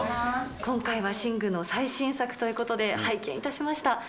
今回はシングの最新作ということで、拝見いたしました。